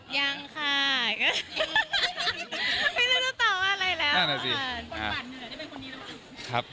ยังค่ะไม่รู้จะตอบว่าอะไรแล้ว